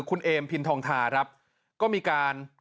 คุณเอมพินทองทาครับก็มีการ